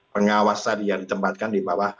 pengawasan yang ditempatkan di bawah